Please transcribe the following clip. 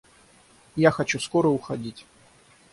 Я хочу скоро уходить.